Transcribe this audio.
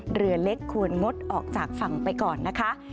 เรือเล็กควรงดออกจากฝั่งไปก่อนนะคะ